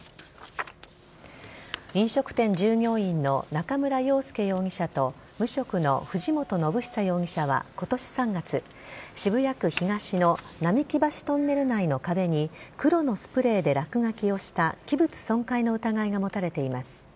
飲食店従業員の中村洋介容疑者と無職の藤本伸久容疑者は今年３月渋谷区東の並木橋トンネル内の壁に黒のスプレーで落書きをした器物損壊の疑いが持たれています。